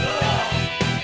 saya yang menang